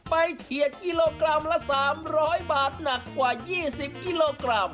ไปเทียดกิโลกรัมละสามร้อยบาทหนักกว่ายี่สิบกิโลกรัม